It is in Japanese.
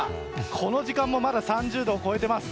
この時間もまだ３０度を超えています。